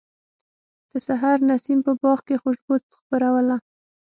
د سحر نسیم په باغ کې خوشبو خپروله.